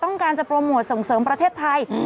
ต้องการจะโปรโมทส่งเสริมประเทศไทย